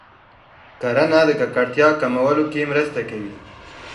کرنه د ککړتیا کمولو کې مرسته کوي.